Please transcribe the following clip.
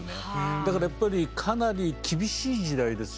だからやっぱりかなり厳しい時代ですよね。